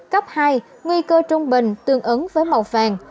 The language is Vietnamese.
cấp hai nguy cơ trung bình tương ứng với màu vàng